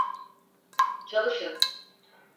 Çalışın!